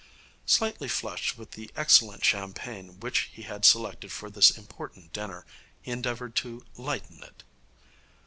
Slightly flushed with the excellent champagne which he had selected for this important dinner, he endeavoured to lighten it.